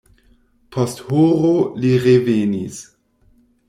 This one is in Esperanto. Post horo li revenis.